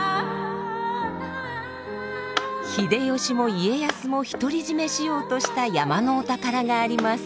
秀吉も家康も独り占めしようとした山のお宝があります。